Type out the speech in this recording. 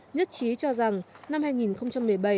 nhất trí cho rằng năm hai nghìn một mươi bảy